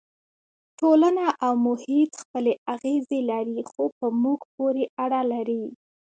ټولنه او محیط خپلې اغېزې لري خو په موږ پورې اړه لري.